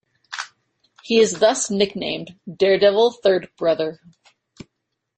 He is thus nicknamed "Daredevil Third Brother".